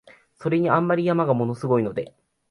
それに、あんまり山が物凄いので、